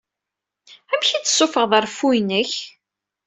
Amek i d-ssufuɣeḍ reffu-inek?